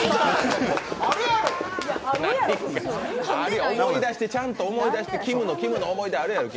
あるやろ思い出して、ちゃんと思い出して、きむの思い出あるやろ？